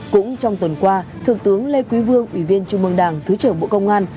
cũng trong tuần qua thượng tướng lê quý vương ủy viên trung mương đảng thứ trưởng bộ công an